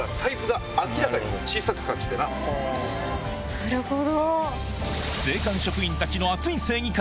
なるほど！